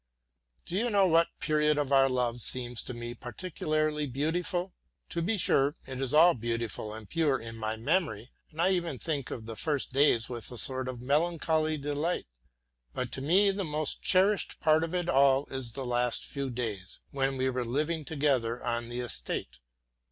Do you know what period of our love seems to me particularly beautiful? To be sure, it is all beautiful and pure in my memory, and I even think of the first days with a sort of melancholy delight. But to me the most cherished period of all is the last few days, when we were living together on the estate.